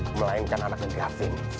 melainkan anaknya gavin